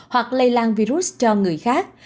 hoặc lây lan virus cho người khác